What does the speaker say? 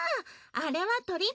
あれはとりっ